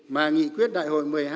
mà nghị quyết đại hội một mươi hai